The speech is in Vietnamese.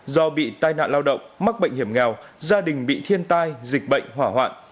do bị tai nạn lao động mắc bệnh hiểm nghèo gia đình bị thiên tai dịch bệnh hỏa hoạn